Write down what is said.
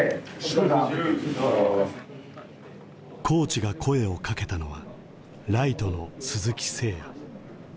コーチが声をかけたのはライトの鈴木誠也。